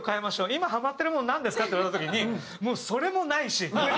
今ハマってるものなんですか？」って言われた時にそれもないし。